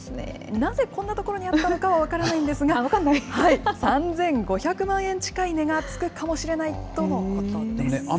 なぜこんな所にあったのかは、分からないんですが、３５００万円近い値がつくかもしれないとのことです。